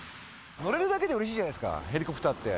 乗れるだけでうれしいじゃないですか、ヘリコプターって。